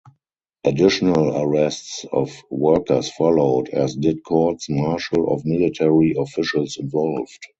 Additional arrests of workers followed, as did courts martial of military officials involved.